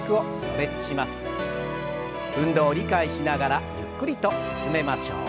運動を理解しながらゆっくりと進めましょう。